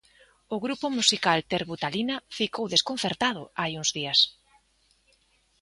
O grupo musical Terbutalina ficou "desconcertado" hai uns días.